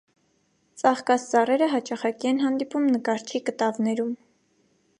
Ծաղկած ծառերը հաճախակի են հանդիպում նկարչի կտավներում։